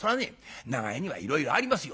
長屋にはいろいろありますよ。